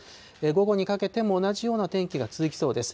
午後にかけても同じような天気が続きそうです。